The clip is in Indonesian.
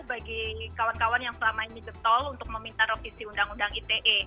bagi kawan kawan yang selama ini getol untuk meminta revisi undang undang ite